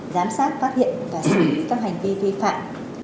giám sát phát hiện và xử lý các hành vi vi phạm